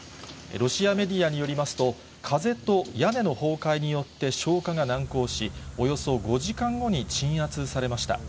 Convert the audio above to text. ロシアメディアによりますと、風と屋根の崩壊によって消火が難航し、およそ５時間後に鎮圧されました。